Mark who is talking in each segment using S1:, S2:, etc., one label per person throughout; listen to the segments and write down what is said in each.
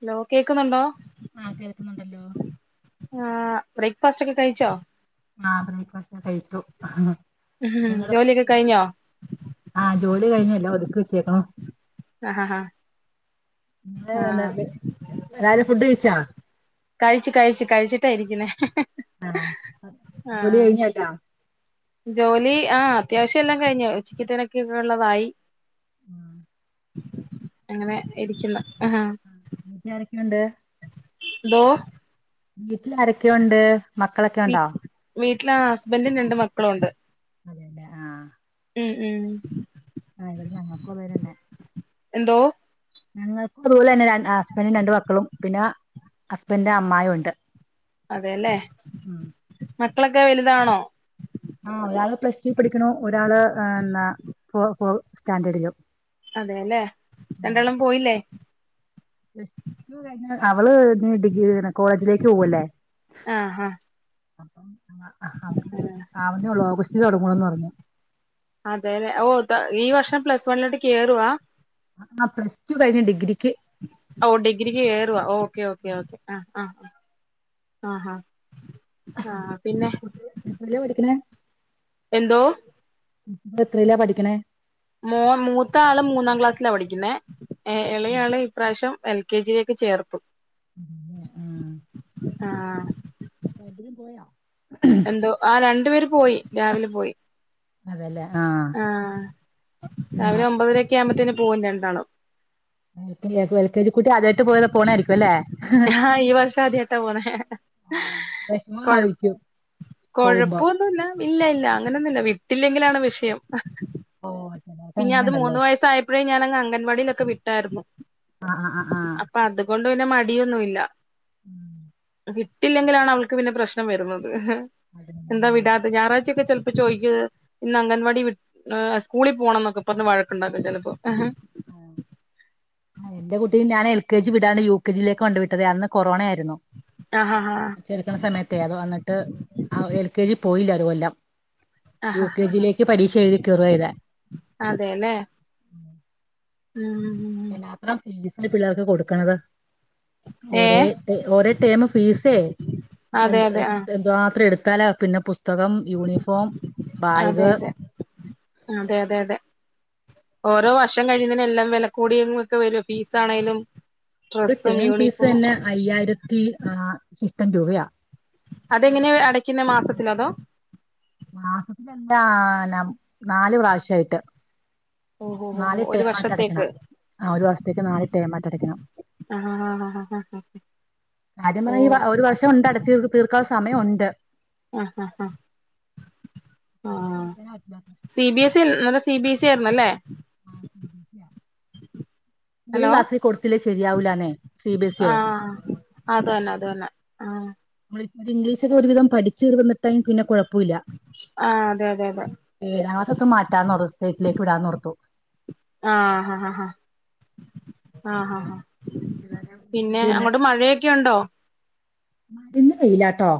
S1: Hello കേക്ക്ന്നൊണ്ടോ
S2: ആഹ് കേൾക്കുന്നുണ്ടല്ലോ
S1: ആഹ് ബ്രേക്ക്ഫാസ്റ്റ് ഒക്കെ കഴിച്ചോ
S2: ആഹ് ബ്രേക്ക്‌ ഫാസ്റ്റൊക്കെ കഴിച്ചു
S1: മ്ഹ്
S2: നിങ്ങള്
S1: ജോലിയൊക്കെ കഴിഞ്ഞോ
S2: ആഹ് ജോലി കഴിഞ്ഞു എല്ലാം ഒതുക്കി വെച്ചേക്കണു
S1: ആഹ് ആഹ്
S2: ഇങ്ങള്
S1: ആഹ്
S2: എല്ലാരും എല്ലാരും ഫുഡ് കഴിച്ചാ
S1: കഴിച്ചു കഴിച്ചു കഴിച്ചിട്ടാ ഇരിക്കുന്നേ
S2: ജോലി
S1: ആഹ്
S2: കഴിഞ്ഞല്ലോ
S1: ജോലി ആഹ് അത്യാവശ്യം എല്ലാം കഴിഞ്ഞു ഉച്ചക്കേത്തനക്കെ ഇള്ളത് ആയി
S2: ആഹ്
S1: അങ്ങനെ ഇരിക്കുന്നു ആഹ്
S2: വീട്ടി ആരൊക്കെ ഒണ്ട്
S1: എന്തോ
S2: വീട്ടില് ആരൊക്കെ ഒണ്ട്
S1: വീട്ടില് ഹസ്ബൻഡും രണ്ട് മക്കളും ഒണ്ട്
S2: അതേല്ലാ
S1: മ്ഹ് മ്ഹ്
S2: ആഹ് ഇവിടെ നമുക്കും അത് പോലെ തന്നെ
S1: എന്തോ
S2: ഞങ്ങക്കും അതു പോലെ തന്നെ രൺ ഹസ്ബൻഡും രണ്ടു മക്കളും പിന്നെ ഹസ്ബൻഡിന്റെ അമ്മായും ഒണ്ട്
S1: അതേല്ലേ മക്കളൊക്കെ വെലുതാണോ
S2: ആഹ് ഒരാള് പ്ലസ് ടു പഠിക്കണു ഒരാൾ നാ ഫോ ഫോ സ്റ്റാൻഡേർഡിലും
S1: അതെല്ലേ രണ്ടാളും പോയില്ലേ
S2: അവള് ഇനി ഡിഗ്രിയാണ് കോളേജിലേക്ക് പോവല്ലേ
S1: ആഹ്
S2: അപ്പം അവക്ക്
S1: ആഹ്
S2: ആവുന്നേ ഒള്ളൂ ഓഗസ്റ്റിലേ തൊടങ്ങൂന്നുള്ളെന്ന് പറഞ്ഞു
S1: അതെല്ലേ ഓഹ് താ ഈ വർഷം പ്ലസ് വണ്ണിലോട്ട് കേറുവാ
S2: ആഹ് ആഹ് പ്ലസ് ടു കഴിഞ്ഞു ഡിഗ്രിക്ക്
S1: ഓഹ് ഡിഗ്രിക്ക് കേറുവാ ഓക്കേ ഓക്കേ ഓക്കേ ആഹ് ആഹ് ആഹ് ഹാ
S2: കുട്ടി എത്രേലാ പഠിക്കണേ
S1: എന്തോ
S2: എത്രേലാ പഠിക്കണേ
S1: മോ മൂത്ത ആള് മൂന്നാം ക്ലാസ്സിലാ പഠിക്കുന്നേ ഏഹ് എളയ ആള് ഇപ്രാവശ്യം എൽ കെ ജി യിലേക്ക് ചേർത്തു
S2: [unintelligible]
S1: ആഹ്
S2: രണ്ട് പേരും പോയൊ
S1: എന്തോ ആഹ് രണ്ടു പേര് പോയി രാവിലെ പോയി ആ രാവിലെ ഒമ്പതരൊക്കെ ആവുമ്പത്തേന് പോകും രണ്ടാണ്
S2: എ എൽ കെ ജി കുട്ടി അതായിട്ട് പോയെ പോണായിരിക്കും അല്ലേ
S1: ആഹ ഈ വർഷം അതായിട്ടാ പോണ കൊഴപ്പ
S2: വിഷമമായിരിക്കും പോകുമ്പോ
S1: കൊഴപ്പൊന്നുംല്ല ഇല്ല ഇല്ല അങ്ങനെയൊന്നുമല്ല വിട്ടില്ലെങ്കിലാണ് വിഷയം
S2: ഓ
S1: പിന്നെ അത്
S2: അങ്ങനെയുണ്ടല്ലോ
S1: മൂന്ന് വയസായപ്പോഴേ ഞാൻങ് അംഗൻവാടിയിലൊക്കെ വിട്ടായിരുന്നു
S2: ആ ആ ആ ആ
S1: അപ്പൊ അതുകൊണ്ട് പിന്നെ മടിയൊന്നുമല്ല വിട്ടില്ലെങ്കിലാണ് അവൾക്ക് പിന്നെ പ്രശ്നം വരുന്നത്
S2: അതെ
S1: എന്താ
S2: ആ
S1: വിടാത്തെ ഞായറായ്ച്ച ചെല്പ്പംചോയ് ഇന്ന്അങ്ങൽവാടി സ്കൂ പോണം എന്നൊക്കെ പറഞ്ഞഞ് വഴക്കുണ്ടാക്കും ചിലപ്പോ
S2: ആ എന്റെ കുട്ടി ഞാ എൽ കെ ജി വിടാണ് യു കെ ജിേ കൊണ്ടണ്ട് വിട്ടത് അന്ന് കൊറോണ ആായിരുന്നു
S1: ആഹ ആ
S2: ചെറുക്കണ സമയത്തേ അതോ വ എന്നിട്ട് ആ എൽ കെ ജി പോയില്ല ഒരു കൊല്ലം യു
S1: ആഹാ
S2: കെ ജിയിലേക്ക് പഠീക്ഷ എഴുതി കയറു ചെയ്താ
S1: അതെല്ലേ ഉം
S2: അതിനാത്രം ടിസ്പിളി പിള്ളേർക്ക് കൊടുക്കണത്
S1: ഏ
S2: ഒര ഒര ടൈമ ഫീസേ എ
S1: അതെ അതെ ആ
S2: എതുമാത്രം എടുത്താലാ പിന്നെ പുസ്തകം യൂണിഫോം
S1: അതെ
S2: ബാഗ്
S1: അതെ അതെ അതെ അതെ ഓരോ വർഷം കഴിുന്നതിന എല്ലാം വില കൂടിയൊക്കെ വരും ഫീസ്
S2: ആഹ്
S1: ആണെലും
S2: ഒരു
S1: ഡ്രെസ്സും
S2: ടേം ഫീസ്
S1: യൂണിഫോമും
S2: തന്നെ അയ്യായിരത്തി ആ് ഷിഷ്ടം രൂപയാ
S1: അതെങ്ങനെ അടയ്ക്കുന്ന മാസത്തില അതോ
S2: മാസത്തിലെല്ലാ നാലു പ്രാവശ്യായിട്ട്
S1: ഓഹോ ഹോ ഹോ ഒരു
S2: നാലിടേമാറ്റം
S1: വർഷത്തേക്ക്
S2: അടക്കണം ആ ഒരു വർസത്തേക്ക് നാലല്ടേമാറ്റം അടയ്ക്കണം
S1: ആ ആഹ
S2: ആാര്യം പറഞ്ഞ ഈ ഒരു വർഷം ഉണ്ട് അടച് തീർക്കാൻ ള്ള സമയം ഉണ്ട്
S1: ആഹ ഹാ് ഹാ ആഹ
S2: ഉണ്ട്
S1: സി ബി എസ് ഇന്നലെ സി ബി എസ് സ ആയിരുന്നു അല്ലേ
S2: [unintelligible]
S1: ഹലോ
S2: ക്ലാസിൽ കൊടുച്ചേ ശരിയാവലന്നെ സി ബിഎസ്
S1: ആഹ് അത് തന്നെ അത് തന്നെ ആഹ്
S2: ഇ്ഗ്ല്ഷ്ക്കെ ഒരുവിധം പഠിച്ച വുന്നിത്തായും ടയ്മം പിന്നെഴപ്പം
S1: ആ അതെ അതെ അതെ
S2: ഏതാമത്തൊും മാറ്റാൻന്ന്ഥേറ്റിലേക്ക് വിടാന്നർത്തു
S1: ആ ഹ ഹ ഹാ ആഹ ആാ ആാ പിന്നെ അങ്ങോട്ട് മഴയൊക്കെ ഉണ്ടോ
S2: മ ഇന്ന് വെയിലാട്ടോ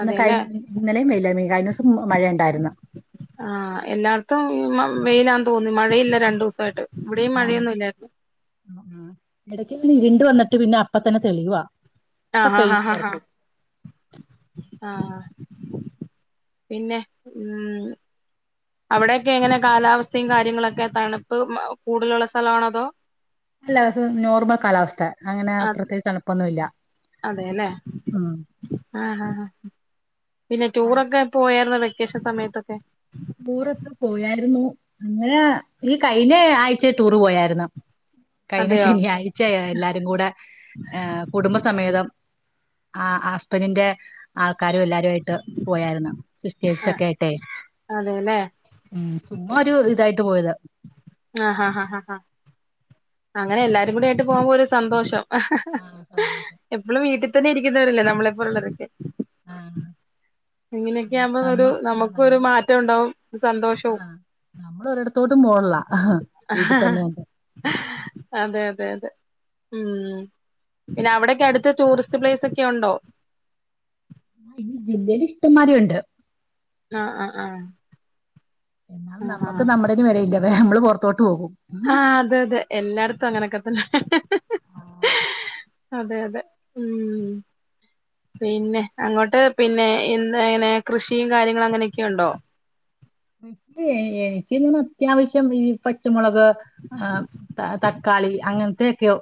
S2: ഇന്ന് കഴി
S1: അതെല്ലേ
S2: ഇന്നലെയും വെയില വെയയി കഴിഞ്ഞ ദിവസം മഴയ ഉണ്ടായിരുന്നു
S1: ആ എല്ലാർത്തും വെയിലാ തോന്നി മഴയില്ല രണ്ടു ദിവസ ആയിട്ട് ഇവിടെ മഴയൊന്നുമല്ലായിരുന്നു
S2: ഇടക്ക് ഇരിണ്ട വന്നിട്ട് പിന്നെ അപ്പ തന്നെ തെളിയവാ
S1: ആ ഹാ ഹാ ഹാ ഹാ ആഹ് പിന്നെ ഉ അവിടെൊക്കെ എങ്ങനെ കാലാവസ്ഥയും കാര്യങ്ങളൊക്കെ തണുപ്പ് കൂടുതലുള്ള സ്ഥലമാണതോ
S2: അല്ല നോർമൽ കാലാവസ്ഥ അങ്ങനെ
S1: അത്
S2: പ്രത്യേകിച്ച് തണുപ്പൊന്നുമല്ല ഉ
S1: ആ ഹ ഹ ആ പിന്നെ ടൂറൊക്കെ പോയായിുന്നോ വെക്കേഷൻ സമയത്തൊക്കെ
S2: ടൂറൊക്കെ പോയായിരുന്നു അങ്ങനെ ഈ കഴിഞ്ഞ ആഴച്ച ടൂറ് പോയായിരുന്നു കഴിഞ്ഞ
S1: അതെയോ
S2: ശനിയാഴ്ച എല്ലാരും കൂടെ ഏർ കുടുംബസമേതം ആ ആ സ്‌ബഫബനിന്റെ ആൾക്കാരും എല്ലാവരുും ആയിട്ട് പോയരുന്നു സിസ്റ്റേഴ്സ
S1: ആഹ്
S2: ഒക്കെ ആട്ടെ
S1: അതെല്ലേ
S2: ഉം ചുമ്മാ ഒരു ഇതായിട്ട് പോയതാ
S1: ആഹ് അഹ് അഹ് അങ്ങനെ എല്ലാരും കൂടി ആയിട്ട് പോകുമ്പോ ഒരു സന്തോഷം
S2: ആഹ് സന്തോഷം
S1: നമ്മള് വീട്ടിൽ തന്നെ ഇരിക്കുന്നവരല്ലേ നമ്മളെപ്പോലെ ഉള്ളവരൊക്കെ
S2: ആഹ്
S1: ഇങ്ങനെയൊക്കെയാകുമ്പോ
S2: നമ്മ
S1: ഒരു
S2: ആഹ്
S1: നമുക്കൊരു
S2: നമ്മൾ
S1: മാറ്റം ഉണ്ടാവും സന്തോഷവും
S2: ആഹ് നമ്മൾ ഒരിടത്തോട്ടും പോണില്ല വീട്ടിൽ തന്നെ
S1: അതെ അതെ അതെ ഉം പിന്നെ അവിടെക്കെ അടുത്ത് ടൂറിസ്റ്റ് പ്ലൈസ് ഒക്കെ ഉണ്ടോ?
S2: ജില്ലയില് ഇഷ്ടംമാരി ഉണ്ട്
S1: ആഹ് ആഹ് ആഹ് ആഹ്
S2: നമ്മുക്ക്
S1: ആഹ്
S2: നമ്മടേതിന് വിലയില്ല നമ്മള് പുറത്തോട്ട് പോകും
S1: ആഹ് അതെ അതെ എല്ലാട്ത്തും അങ്ങനെയൊക്കെത്തന്നെ
S2: ആഹ്
S1: അതെ അതെ ഉം പിന്നെ അങ്ങോട്ട് പിന്നെ എന്ത എങ്ങനെ കൃഷിയും കാര്യങ്ങളും അങ്ങനെയൊക്കെ ഉണ്ടോ
S2: എനിക്ക് അത്യാവശ്യം ഈ പച്ചമുളക് ആഹ് തക്കാ- ക്കാളി അങ്ങനത്തെയൊക്കെയോ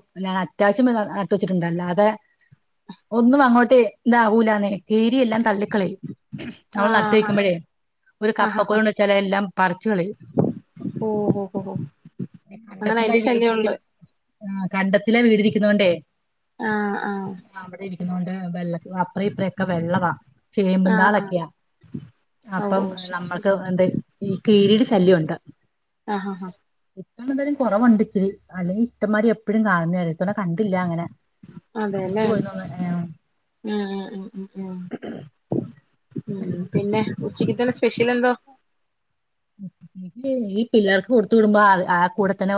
S2: അറ്റാച്ച് നട്ട് വച്ചിട്ടുണ്ട് അല്ലാതെ ഒന്നും അങ്ങോട്ട് ന്താവൂലാന്നേ കീരിയെല്ലാം തള്ളിക്കളയും നമ്മൾ നട്ട്
S1: ആഹ്
S2: വക്കുമ്പോഴേ ഒരു
S1: ആഹ് ആഹ്
S2: കപ്പകൊല് ഉണ്ട് വച്ചാൽ എല്ലാം പറിച്ച് കളയും
S1: ഓ ഓ ഓ അങ്ങനെ അയിന്റെ
S2: കണ്ടത്തിലായി വീട്
S1: ശല്യമുണ്ട്
S2: ഇരിക്കുന്നു ആഹ് കണ്ടത്തില് വീട് ഇരിക്ക്‌ന്നോണ്ടേ
S1: ആഹ് ആഹ്
S2: അവിടെ ഇരിക്കുന്നോണ്ട് വെള്ള അപ്ര ഇപ്രൊക്കെ വെള്ളവാ
S1: ആഹ് ആഹ്
S2: ചേമ്പ്താളൊക്കെയ
S1: ഓ
S2: അപ്പം
S1: ഓ ശരി
S2: നമ്മൾ
S1: ശരി
S2: എന്ത ഈ കീരിയുടെ ശല്യണ്ട്
S1: ആഹ് ആഹ്
S2: ഇപ്പോണ എന്തായാലും കുറവുണ്ട് ഇച്ചിരി അല്ലെങ്കി ഇഷ്ടമാരി എപ്പോഴും കാണുന്നെ ഇപ്പോ കണ്ടില്ല അങ്ങനെ നശിച്ചു
S1: അതെല്ലേ
S2: പോയി തോന്നുന്നു
S1: ഉം ഉം ഉം ഉം ഉം പിന്നെ ഉച്ചക്ക് ത്തെ സ്പെഷ്യൽ എന്തോ
S2: ഈ പിള്ളേർക്ക് കൊടുത്തു വിടുമ്പോ ആ കൂടെ തന്നെ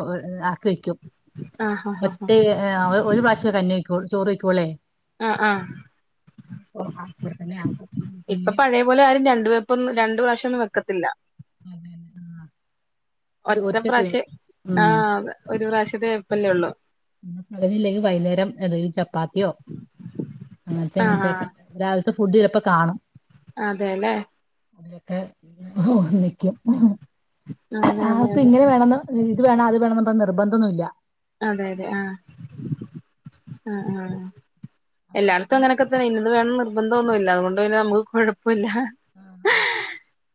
S2: ആക്കും
S1: ആഹ് ആഹ് ആഹ്
S2: ഒറ്റ ഒരു പ്രാവശ്യ കഞ്ഞി വെക്ക ചോറ് വയ്ക്ക്‌ വള്ളെ
S1: ആഹ് ആഹ്
S2: പ്പ ആ കൊടുത്ത ആക്ക പ പി [inaudible]
S1: അതുപോലെ ആരും രണ്ടു വെപ്പൊന്നും രണ്ട് പ്രാവശ്യംന്നും വെക്കത്തില്ല
S2: അതെ അതെ ആഹ്
S1: ഒറ്റ പ്രാവശ്യം
S2: ഉം
S1: ആഹ് അതെ ഒരു പ്രാവശ്യത്തെ വെപ്പല്ലേ ഉള്ളു
S2: യുന്നില്ലെങ്കിൽ തേക്ഞ്ഞില്ലേൽലൊ വൈകുന്നേരം ഏതോലും ചപ്പാത്തിയോ അങ്ങനത്തെ
S1: ആഹ് ആഹ്
S2: ഇങ്ങനത്തെക്കെ രാവിലത്തെ ഫുഡ് ചിലപ്പ കാണും
S1: അതെല്ലേ
S2: അയൊക്കെ വന്നിക്കും [inaudible]
S1: അതെ അതെ
S2: ആൾക്ക്
S1: അതെ
S2: ഇങ്ങനെവേണന്ന് ഇത് വേണം അത് വേണമന്ന നിർബന്ധൊന്നും ഇല്ല
S1: അതെ അതെ ആഹ് ആഹ് ആഹ് എല്ലായിടത്തും
S2: പിന്നെ
S1: അങ്ങനക്കെ ഇന്നത് വേണം നിർബന്ധന്നുല്ല അതുകൊണ്ട് തന്നെ നമുക്ക്‌ കുഴപ്പല്ല
S2: ആഹ്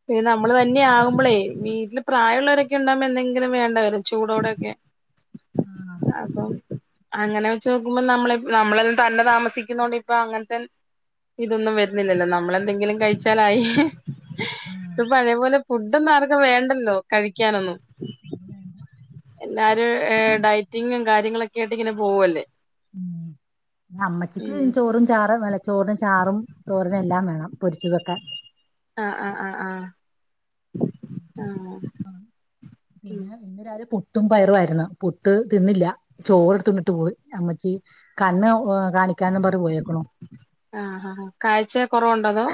S1: പിന്നെ നമ്മള് തന്നെ ആകുമ്പോളേ വീട്ടിൽ പ്രായമുള്ളവരൊക്കെ ഉണ്ടാകുമ്പോ എന്തെങ്കിലും വേണ്ട വരും ചൂടോടെയൊക്കെ
S2: ആഹ്
S1: അപ്പം അങ്ങനെ വെച്ച് നോക്കുമ്പോ നമ്മള നമ്മളെല്ലാം തന്നെ താമസിക്കുന്നോണ്ട് ഇപ്പൊ അങ്ങനത്തെ ഇതൊന്നും വരുന്നില്ലല്ലോ നമ്മളെന്തെങ്കിലും കഴിച്ചാലായി
S2: ആ
S1: ഇപ്പൊ പഴയ പോലെ ഫുഡൊന്നും ആർക്കും വേണ്ടല്ലോ കഴിക്കാനൊന്നും
S2: [unintelligible]
S1: എല്ലാരും ഡയറ്റിങ്ങും കാര്യങ്ങളൊക്കെ ആയിട്ട് ഇങ്ങനെ പോവുവല്ലേ
S2: ഉം അമ്മച്ചിക്ക് ചോറും ചാറും [unintelligible] ചോറിന് ചാറും, തോരനും എല്ലാം വേണം പൊരിച്ചതൊക്കെ.
S1: ആഹ്, ആഹ്, ആഹ്. ആഹ്
S2: പിന്നെ
S1: ഉം
S2: [unintelligible] ഇന്ന് രാവിലെ പുട്ടും പയറുവായിരുന്നു പുട്ട് തിന്നില്ലാ ചോറെടുത്ത് തിന്നിട്ട് പോയി അമ്മച്ചി കണ്ണ് ഏഹ് കാണിക്കാൻന്നും പർഞ്ഞ് പോയേക്കണു.
S1: ആഹ്, ആഹ്, കാഴ്ച കൊറവ്ണ്ടോ അതോ?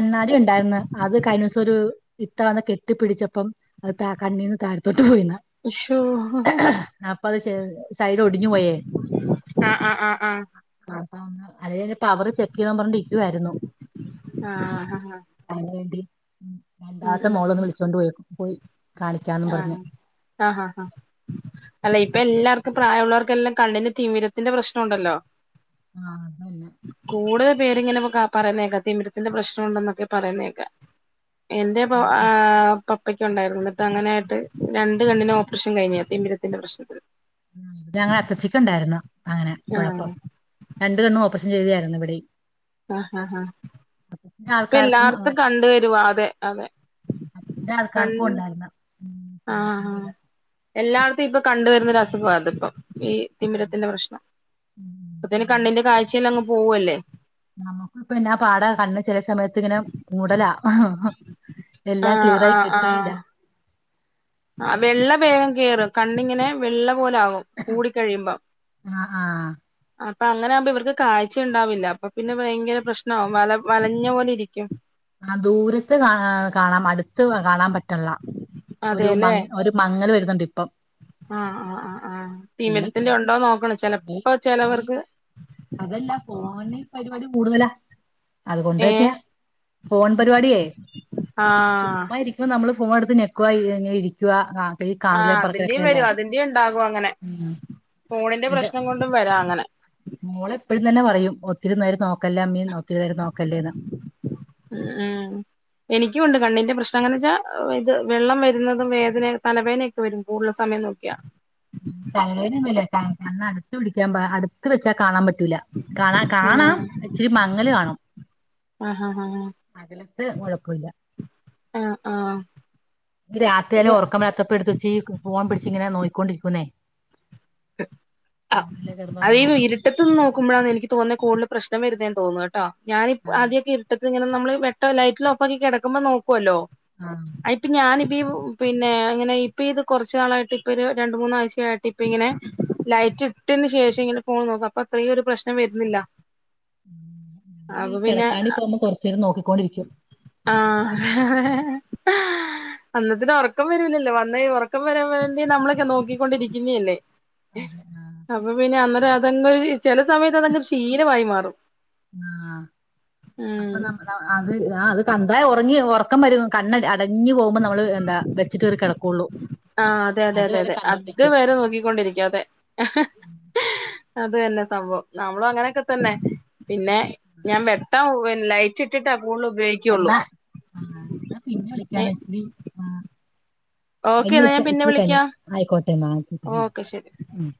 S2: എന്നാലും ഇണ്ടായിര്ന്ന് അത് കഴിഞ്ഞ ദിവസം ഒരു ഇത്തവന്ന് കെട്ടിപ്പിടിച്ചപ്പം അത് ത കണ്ണീന്ന് താഴത്തോട്ട് പോയിന്ന്
S1: ഇശോ
S2: അപ്പ അത് ശെ സൈഡ് ഒടിഞ്ഞ് പോയേ.
S1: ആഹ് ആഹ് ആഹ്
S2: അപ്പ ഒന്ന് അല്ലെങ്കിലും അയിൻ്റെ പവറ് ചെക്ക് ചെയ്യണം പറഞ്ഞ് നിക്കുവാരുന്നു
S1: ആഹ്, ആഹ്
S2: അതിന് വേണ്ടി
S1: ഉം
S2: രണ്ടാത്തെ
S1: ഉം
S2: മോള്
S1: ഉം
S2: വന്ന് വിളിച്ചോണ്ട്പോയി പോയി. കാണിക്കാന്നും പറഞ്ഞ്
S1: ആഹ്, ആഹ്, ആഹ്, അല്ല ഇപ്പൊ എല്ലാർക്കും പ്രായമുള്ളവർക്കെല്ലാം കണ്ണിന് തിമിരത്തിന്റെ പ്രശ്നം ഒണ്ടല്ലോ?
S2: ആഹ് അതല്ലാ.
S1: കൂടുതെൽ പേര് ഇങ്ങനെ പറയുന്നേക്കാ തിമിരത്തിന്റെ പ്രശ്നൊണ്ടെന്ന്ക്കെ പറയുന്നേക്കാം. എന്റെ പ ആഹ് പപ്പയ്ക്കൊണ്ടായിര്ന്നു ഇന്നട്ട് ട്ടങ്ങനെ ആയിട്ട് രണ്ട് കണ്ണിനും ഓപ്പറേഷേൻ കഴിഞ്ഞെയാ തിമിരത്തിന്റെ പ്രശ്നത്തിന്
S2: ഉം ഞങ്ങളെ അപ്പച്ചിക്ക് ഒണ്ടായിര്ന്നു അങ്ങനെ
S1: ആഹ്
S2: കൊഴപ്പം രണ്ട് കണ്ണും ഓപ്പറേഷെൻ ചെയ്തായിരുന്നു ഇവിടെയും.
S1: ആഹ് ആഹ്
S2: ചില
S1: ഇപ്പ
S2: ആൾക്കാർക്കും അങ്ങനെ
S1: എല്ലാട്ത്തും കണ്ട് വെരുവാ അതെ, അതെ.
S2: അധികം
S1: കൺ
S2: ആൾക്കാർക്കും ഒണ്ടായിര്ന്നു.
S1: ആഹ് ആഹ് എല്ലാടത്തും ഇപ്പൊ കണ്ടുവെരുന്നൊരു അസുഖാ ഇത്പ്പം. ഈ
S2: ആഹ്
S1: തിമിരത്തിന്റെ പ്രശ്നം അപ്പത്തേന് കണ്ണിന്റെ കാഴ്ച്ചയെല്ലാം അങ്ങ് പോവുവല്ലേ?
S2: നമ്മക്കു ഇപ്പ എന്നാ പാടാ കണ്ണ് ചെലെ സമയത്ത് ഇങ്ങനെ മൂടലാ. എല്ലാം
S1: ആഹ്
S2: ക്ലിയറായി
S1: ആഹ്
S2: കിട്ടുകെയില്ലാ.
S1: ആഹ് വെള്ള വേഗം കേറും കണ്ണിങ്ങനെ വെള്ളപോലെ ആകും. കൂടികഴിയുമ്പം.
S2: ആഹ് ആഹ്
S1: അപ്പൊ അങ്ങനെ ആകുമ്പോ ഇവർക്ക് കാഴ്ച ഇണ്ടാവില്ലാ അപ്പൊ പിന്നെ ഭയങ്കര പ്രശ്നാവും വല വലഞ്ഞ പോലെ ഇരിക്കും.
S2: ആഹ് ദൂരെത്ത് കാ ഏഹ് കാണാം അടുത്ത് കാണാൻ പറ്റൺല്ലാ ഒരുമ
S1: അതെല്ലേ
S2: ഒരു മങ്ങല് വെരുന്നുണ്ട് ഇപ്പം.
S1: ആഹ്, ആഹ്, ആഹ്, ആഹ് തിമിരത്തിന്റെ ഒണ്ടോന്ന് നോക്കണം ചെൽ
S2: [unintelligible] അതല്ലാ ഫോണി പരിപാടി കൂടുതലാ. അത്
S1: ഏഹ്
S2: കൊണ്ടേറ്റെയാ ഫോൺ പരിപാടിയേ
S1: ആഹ്
S2: ചുമ്മാ ഇരി ഇപ്പൊ നമ്മള് ഫോണെട്ത്ത് ഞെക്കുവാ അങ്ങ് ഇരിക് ക്കുവാ
S1: ആഹ്
S2: [unintelligible] പറക്കല് ഒക്കെ
S1: അതിന്റെയും
S2: അല്ലേ?
S1: വരും അതിന്റെയും ഉണ്ടാകും അങ്ങനെ
S2: ഉം.
S1: ഫോണിന്റെ
S2: എന്റെ
S1: പ്രശ്നംകൊണ്ടും വെരാ അങ്ങനെ.
S2: മോള് എപ്പഴും തന്നെ പറയും ഒത്തിരി നേരം നോക്കല്ലേമ്മീ ഒത്തിരി നേരം നോക്കെല്ലേന്ന്.
S1: ഉം എനിക്കുണ്ട് കണ്ണിന്റെ പ്രശ്നം എങ്ങനെ വെച്ചാ ഇത് വെള്ളം വെരുന്നതും വേദനേം തലവേദനെ വെരും കൂടല് സമയം നോക്കിയാ.
S2: തലവേദനയൊന്നുല്ല കണ്ണ് അട്ത്ത് പിടിക്കാമ്പോ അടുത്ത് വെച്ചാ കാണാൻ പ റ്റൂല കാണ കാണാം
S1: ആഹ്
S2: ഇച്ചിരി മങ്ങല് കാണും.
S1: ആഹ്, ആഹ്, ഹാ.
S2: അകലെത്ത് കൊയപ്പൊവില്ല
S1: ആഹ് ആഹ് ആഹ്
S2: ഇക്ക് രാത്രിയന്നെ
S1: ഇത്
S2: ഒറക്കം വരാ ത്തപ്പൊ എടുത്തു വെച്ചീ ഈ ഫോൺ പിടിച്ച് ഇങ്ങനെ നോക്കി ക്കൊണ്ടിരിക്കുന്നേ?
S1: ആഹ് അത് ഈ
S2: കിടന്നുറങ്ങണേ
S1: ഇര്ട്ടെത്ത് നിന്ന് നോക്കുമ്പഴാണ് എനിക്ക് തോന്നുന്നെ കൂടുതൽ പ്രശ്നം വരുന്നേന്ന് തോന്നുന്നു കേ കേട്ടൊ ഞാനീ
S2: ആഹ്
S1: ആദ്യൊക്കെ ഇര്ട്ടെത്ത് ഇങ്ങനെ ന്നമ്മള് വെട്ടം ലൈറ്റെല്ലാം ഓഫാക്കി കെടക്കുമ്പോ നോക്കുവല്ലോ?.
S2: ആഹ്
S1: ഇപ്പം ഞാനിപ്പെ ഈ പിന്നെ ഇങ്ങനെ ഇപ്പയിത് കൊറച്ച് നാളായിട്ട് ഇപ്പെ ഒരു രണ്ട് മൂന്നാഴ്ച്ചയായിട്ട് ഇപ്പയിങ്ങനെ ലൈറ്റ് ഇട്ടതിന് ശേഷം ഇങ്ങനെ ഫോൺ നോക്കും അപ്പൊ ഇത്രയും ഒരു പ്രശ്നം വരുന്നില്ല
S2: ഞാന് ഈ
S1: അപ്പൊ പിന്നെ
S2: കിടക്കാ വേണ്ടി പോകുമ്പോ കൊറച്ചേരം നോക്കിക്കൊണ്ടിരിക്കും
S1: ആഹ് അന്നത്തിന് ഒറക്കം വരൂലല്ലോ വന്ന ഈ ഒറക്കം വരാൻ വേണ്ടി നമ്മളൊക്കെ നോക്കിക്കൊണ്ടിരിക്കുന്നയല്ലേ
S2: അതെ ആഹ്
S1: അപ്പൊ പിന്നെ അന്നേരം അതങ്ങ് ചെല സമയത്ത് അതങ്ങട്ട് ഒരു ശിലമായി മാറും
S2: ആഹ് അപ്പൊ
S1: ഉം
S2: നമ്മ അത് ആഹ് അത് കണ്ടാ ഒറങ്ങി ഒറക്കം വരും കണ്ണ് അടഞ്ഞു പോകുമ്പം നമ്മള് എന്താ വെച്ചിട്ട് ഒരു കിടക്കൊള്ളൂ
S1: ആഹ് അതെ അതെ അതെ അതെ അത് വരെ നോക്കിക്കൊണ്ടിരിക്കും അതെ അത് തന്നെ സംഭവം നമ്മളും അങ്ങനെയെക്കെ തന്നെ പിന്നെ ഞാൻ വെട്ടം ലൈറ്റ് ഇട്ടിട്ട കൂടുതൽ ഉപയോഗി
S2: എന്നാ ആഹ് എന്നാ പിന്നെ വിളിക്കാമെ ഇച്ചിരി
S1: ഓക്കെ
S2: കയിഞ്ഞ്
S1: എന്നാ
S2: വിളിച്ച
S1: ഞാൻ പിന്നെ
S2: ഇച്ചിരി കഴിഞ്ഞ്
S1: വിളിക്കാം
S2: ആയിക്കോട്ടെ എന്ന ശരി ഉം
S1: ഓക്കെ ശരി
S2: ഉം